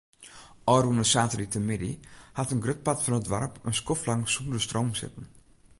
Ofrûne saterdeitemiddei hat in grut part fan it doarp in skoftlang sûnder stroom sitten.